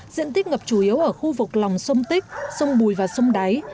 diện tích ngập chủ yếu ở khu vực lòng sông tích sông bùi và sông đáy